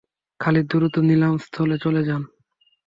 খালিদ দ্রুত নিলাম স্থলে চলে যান।